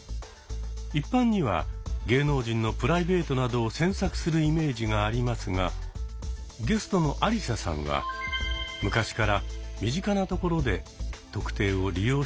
一般には芸能人のプライベートなどを詮索するイメージがありますがゲストのアリサさんは昔から身近なところで「特定」を利用しているそうなんです。